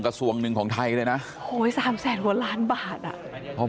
กระทรวงหนึ่งของไทยเลยนะโหยสามแสนกว่าล้านบาทอ่ะ